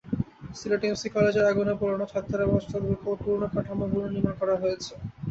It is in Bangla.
সিলেট এমসি কলেজের আগুনে পোড়ানো ছাত্রাবাস অবিকল পুরোনো কাঠামোয় পুনর্নির্মাণ করা হয়েছে।